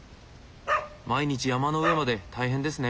毎日山の上まで大変ですね。